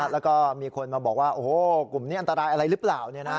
แล้วก็มีคนมาบอกว่าโอ้โหกลุ่มนี้อันตรายอะไรหรือเปล่า